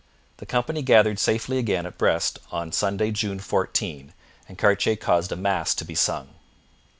The company gathered safely again at Brest on Sunday, June 14, and Cartier caused a mass to be sung.